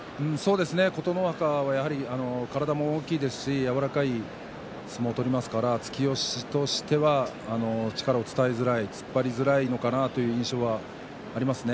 琴ノ若は体も大きいですし柔らかい相撲を取りますから突き押しとしては力を伝えづらい、突っ張りづらいのかなという印象はありますね。